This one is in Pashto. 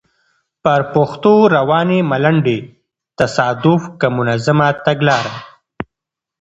پر پښتو روانې ملنډې؛ تصادف که منظمه تګلاره؟